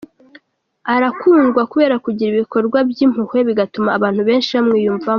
Arakundwa kubera kugira ibikorwa by’impuhwe bigatuma abantu benshi bamwiyumvamo.